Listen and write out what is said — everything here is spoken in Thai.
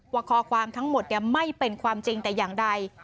ข้อความทั้งหมดไม่เป็นความจริงแต่อย่างใด